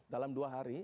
dalam dua hari